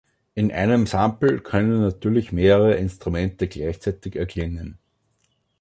In einem Sample können natürlich mehrere Instrumente gleichzeitig erklingen.